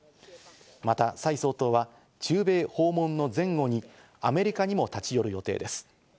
また、サイ総統は中米訪問の前後にアメリカにも立ち寄る予定です。